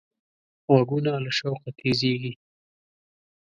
غوږونه له شوقه تیزېږي